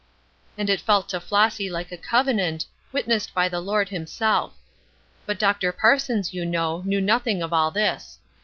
And it felt to Flossy like a convenant, witnessed by the Lord himself. But Dr. Parsons, you know, knew nothing of all this.